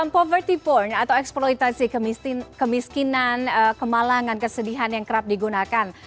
property porn atau eksploitasi kemiskinan kemalangan kesedihan yang kerap digunakan